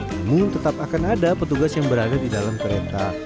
namun tetap akan ada petugas yang berada di dalam kereta